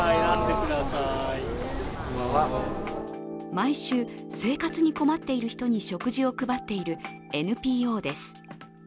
毎週、生活に困っている人に食事を配っているＮＰＯです。